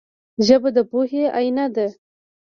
ژبه د پوهې آینه ده